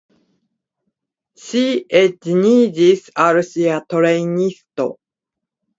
Ŝi edziniĝis al sia trejnisto.